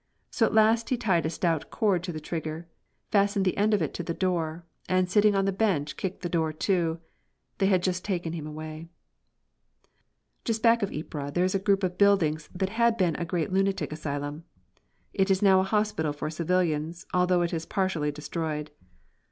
So at last he tied a stout cord to the trigger, fastened the end of it to the door, and sitting on the bench kicked the door to. They had just taken him away. Just back of Ypres there is a group of buildings that had been a great lunatic asylum. It is now a hospital for civilians, although it is partially destroyed.